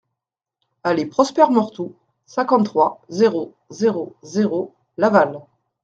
Allée Prosper Mortou, cinquante-trois, zéro zéro zéro Laval